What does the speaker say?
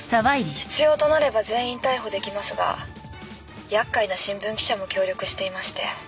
必要となれば全員逮捕できますが厄介な新聞記者も協力していまして。